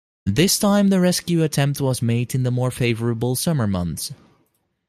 This time the rescue attempt was made in the more favourable summer months.